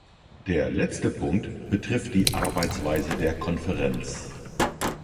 Der letzte Punkt betrifft die Arbeitsweise der Konferenz.